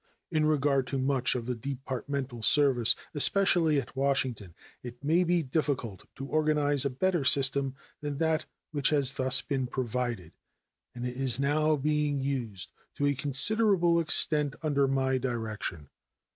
In regard to much of the departmental service, especially at Washington, it may be difficult to organize a better system than that which has thus been provided, and it is now being used to a considerable extent under my direction.